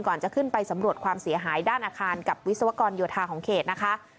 จะขึ้นไปสำรวจความเสียหายด้านอาคารกับวิศวกรโยธาของเขตนะคะ